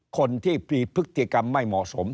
คนที่มีพฤติกรรมไม่เหมาะสม